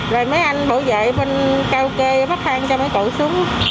rồi mấy anh bảo vệ bên karaoke bắt thang cho mấy cậu xuống